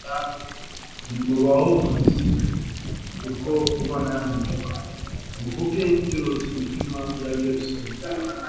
nimubahumurize. Niko Imana yanyu ivuga. Muvuge ibyururutsa imitima y'ab'i Yerusalemu,